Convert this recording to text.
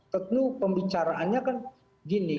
tentu pembicaraannya kan gini